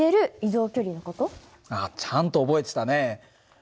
あっちゃんと覚えてたね。